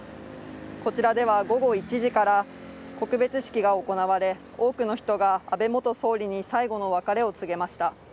こちらでは、午後１時から告別式が行われ、多くの人が安倍元総理に最後の別れを告げました。